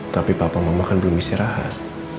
tapi papa mama kan belum istirahat